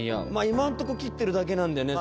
今んとこ切ってるだけなんでね